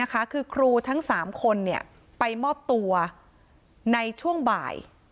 คือครูทั้ง๓คนไปมอบตัวในช่วงบ่าย